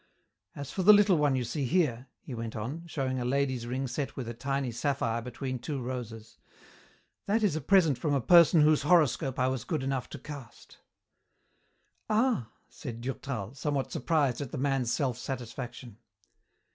As for the little one you see here," he went on, showing a lady's ring set with a tiny sapphire between two roses, "that is a present from a person whose horoscope I was good enough to cast." "Ah!" said Durtal, somewhat surprised at the man's self satisfaction.